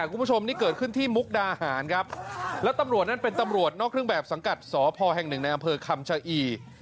คุณผู้ชมนี่เกิดขึ้นที่มุกดาหารครับแล้วตำรวจนั้นเป็นตำรวจนอกเครื่องแบบสังกัดสพแห่งหนึ่งในอำเภอคำชะอี